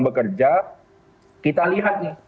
bekerja kita lihat